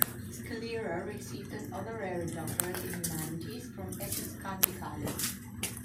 Scalera received an Honorary Doctorate in Humanities from Essex County College.